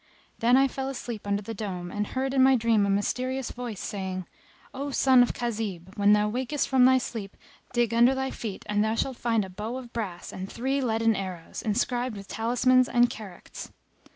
Then I fell asleep under the dome, and heard in my dream a mysterious Voice[FN#262] saying, "O son of Khazib! when thou wakest from thy sleep dig under thy feet and thou shalt find a bow of brass and three leaden arrows, inscribed with talismans and characts.